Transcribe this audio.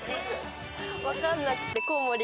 分かんなくてコウモリ